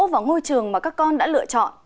vào ngôi trường mà các con đã lựa chọn